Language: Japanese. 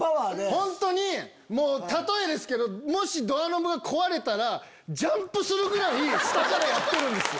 本当に例えですけどもしドアノブが壊れたらジャンプするぐらい下からやってるんですよ。